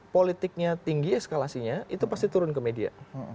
politiknya tinggi eskalasinya itu pasti turun ke media